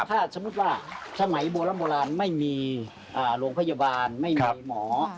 ถ้าสมมุติว่าสมัยโบราณไม่มีโรงพยาบาลไม่มีหมอ